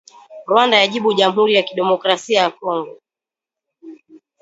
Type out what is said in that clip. Rwanda yajibu Jamhuri ya Kidemokrasia ya Kongo